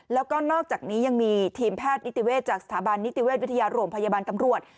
แล้วก็นอกจากนี้ยังมีทีมแพทย์นิติเวศจากสถาบันนิติเวชวิทยาโรงพยาบาลตำรวจ